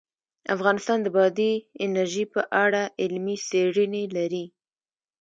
افغانستان د بادي انرژي په اړه علمي څېړنې لري.